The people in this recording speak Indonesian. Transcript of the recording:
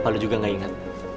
lo juga gak inget